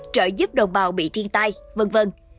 trợ giúp đồng bào bị thiên tai v v